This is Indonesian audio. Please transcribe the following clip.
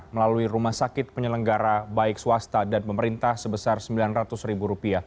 melalui rumah sakit penyelenggara baik swasta dan pemerintah sebesar rp sembilan ratus